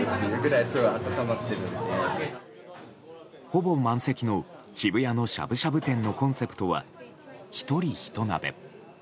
ほぼ満席の渋谷のしゃぶしゃぶ店のコンセプトは「一人一鍋」。